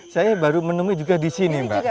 saya baru menemui juga di sini mbak